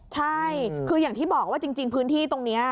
ใช่คืออย่างที่บอกว่าจริงพื้นที่ตรงนี้